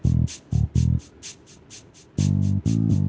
buruan justamente beat lehernya nang